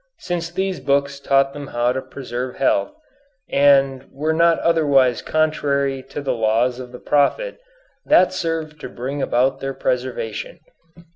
Since these books taught them how to preserve health, and were not otherwise contrary to the laws of the Prophet, that served to bring about their preservation.